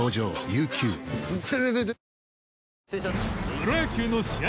プロ野球の試合